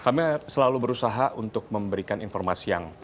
kami selalu berusaha untuk memberikan informasi yang